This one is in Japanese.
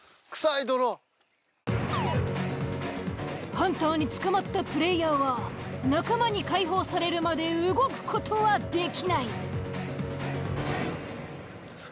ハンターに捕まったプレイヤーは仲間に解放されるまで動く事はできない。